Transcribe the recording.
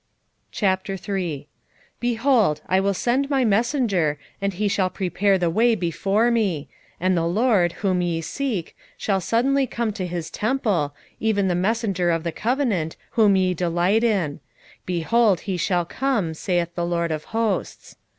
3:1 Behold, I will send my messenger, and he shall prepare the way before me: and the LORD, whom ye seek, shall suddenly come to his temple, even the messenger of the covenant, whom ye delight in: behold, he shall come, saith the LORD of hosts.